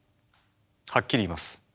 はっきり言います。